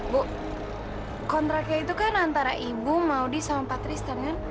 bu kontraknya itu kan antara ibu maudie sama pak kristen kan